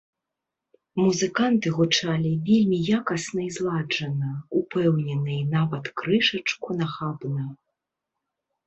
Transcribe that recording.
Музыканты гучалі вельмі якасна і зладжана, упэўнена і нават крышачку нахабна.